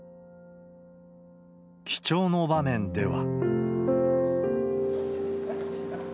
記帳の場面では。